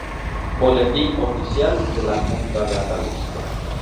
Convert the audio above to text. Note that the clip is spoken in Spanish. Boletín Oficial de la Junta de Andalucía